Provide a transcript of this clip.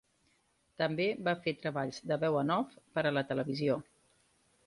També va fer treballs de veu en off per a la televisió.